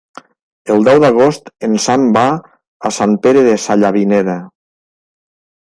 El deu d'agost en Sam va a Sant Pere Sallavinera.